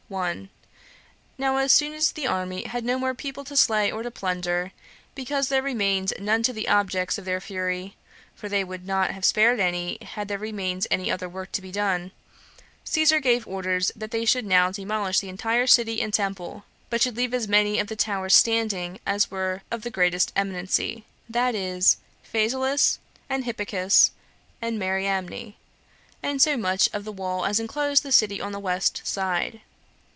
1. Now as soon as the army had no more people to slay or to plunder, because there remained none to be the objects of their fury, [for they would not have spared any, had there remained any other work to be done,] Caesar gave orders that they should now demolish the entire city and temple, but should leave as many of the towers standing as were of the greatest eminency; that is, Phasaelus, and Hippicus, and Mariamne; and so much of the wall as enclosed the city on the west side.